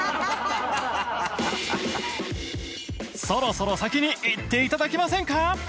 そろそろ先に行っていただけませんか？